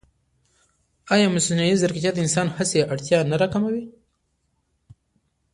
ایا مصنوعي ځیرکتیا د انساني هڅې اړتیا نه راکموي؟